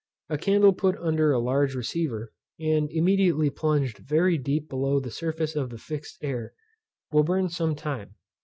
A candle put under a large receiver, and immediately plunged very deep below the surface of the fixed air, will burn some time.